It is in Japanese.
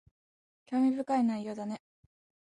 農業